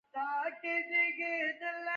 د پښتنو په کلتور کې د بیرغ رپیدل د ویاړ نښه ده.